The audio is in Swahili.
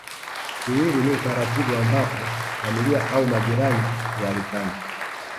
Kiwili ni utaratibu ambapo familia au majirani hualikana